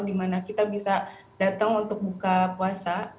di mana kita bisa datang untuk buka puasa